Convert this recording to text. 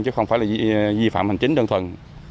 chứ không phải là vi phạm hành chính đơn thuần